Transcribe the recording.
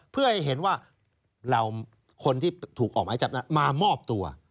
เพื่อให้เห็นว่าเราคนที่ถูกออกหมายจับนั้นมามอบตัว